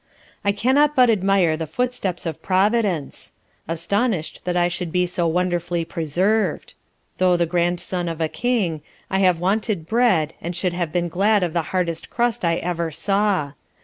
"_ I cannot but admire the footsteps of Providence; astonish'd that I should be so wonderfully preserved! Though the Grandson of a King, I have wanted bread, and should have been glad of the hardest crust I ever saw.